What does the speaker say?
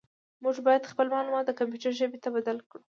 موږ باید خپل معلومات د کمپیوټر ژبې ته بدل کړو.